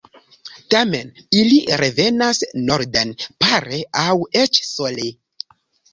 Tamen ili revenas norden pare aŭ eĉ sole.